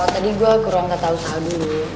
tadi gue ke ruang ketahu tahu dulu